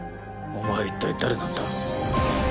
お前は一体誰なんだ？